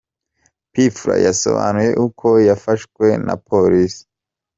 P Fla yasobanuye uko yafashwe na Polisi.